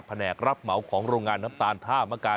แหนกรับเหมาของโรงงานน้ำตาลท่ามกา